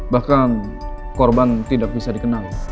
bahkan korban tidak bisa dikenal